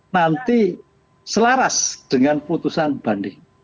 nanti selaras dengan putusan banding